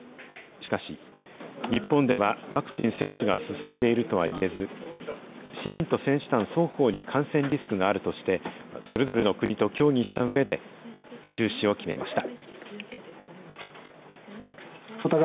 しかし、日本ではワクチン接種が進んでいるとはいえず、市民と選手団双方に感染リスクがあるとして、それぞれの国と協議したうえで、中止を決めました。